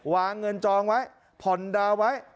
วางเงินจองไว้ผ่อนดาวน์ไว้